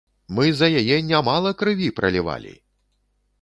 Мы за яе нямала крыві пралівалі!